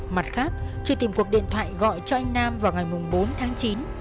mặt khác truy tìm cuộc điện thoại gọi cho anh nam vào ngày bốn tháng chín